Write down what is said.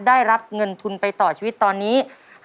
ได้รับเงินทุนไปต่อชีวิตตอนนี้